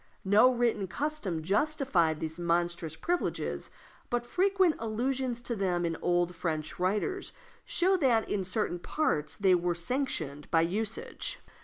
No written custom justified these monstrous privileges, but frequent allusions to them in the old French writers show that in certain parts they were sanctioned by usage.